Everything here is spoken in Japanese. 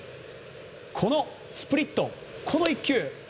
このスプリット、この１球。